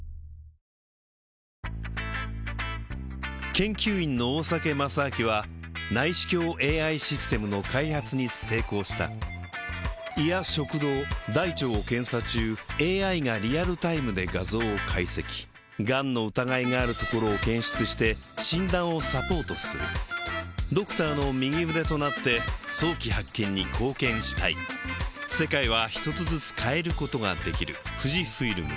研究員の大酒正明は内視鏡 ＡＩ システムの開発に成功した胃や食道大腸を検査中 ＡＩ がリアルタイムで画像を解析がんの疑いがあるところを検出して診断をサポートするドクターの右腕となって早期発見に貢献したいいつもの洗濯が